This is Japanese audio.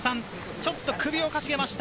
ちょっと首を傾げました。